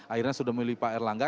akhirnya sudah memilih pak erlangga